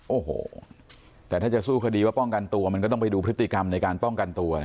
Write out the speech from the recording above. โอ้โหแต่ถ้าจะสู้คดีว่าป้องกันตัวมันก็ต้องไปดูพฤติกรรมในการป้องกันตัวนะ